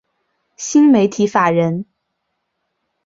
新媒体法人